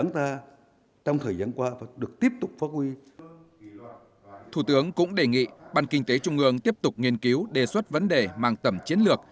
thủ tướng cũng đề nghị ban kinh tế trung ương tiếp tục nghiên cứu đề xuất vấn đề mang tầm chiến lược